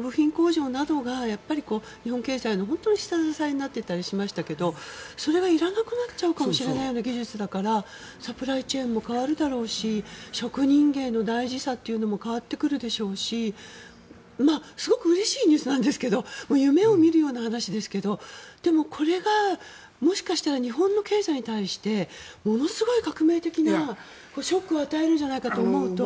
部品工場などがやっぱり日本経済の下支えになっていたりしましたけどそれがいらなくなっちゃうかもしれないような技術だからサプライチェーンも変わるだろうし職人芸の大事さというのも変わってくるでしょうしすごくうれしいニュースなんですが夢を見るような話ですがでもこれが、もしかしたら日本の経済に対してものすごい革命的なショックを与えるんじゃないかと思うと。